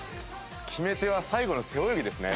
決め手は最後の背泳ぎですね。